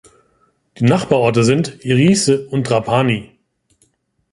Die Nachbarorte sind: Erice und Trapani.